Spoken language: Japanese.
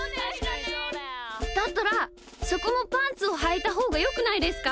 だったらそこもパンツをはいたほうがよくないですか？